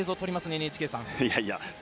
ＮＨＫさん。